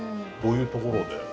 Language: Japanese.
どういうところで？